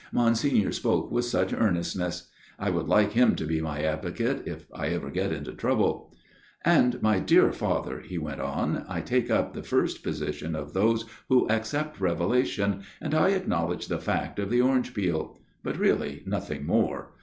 Monsignor spoke with such earnestness. I would like him to be my advocate if I ever get into trouble.) " And, my dear Father," he went on, u I take up the first position of those who accept revela tion, and I acknowledge the fact of the orange peel ; but really nothing more.